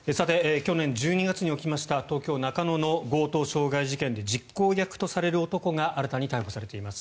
去年１２月に起きました東京・中野の強盗傷害事件で実行役とされる男が新たに逮捕されています。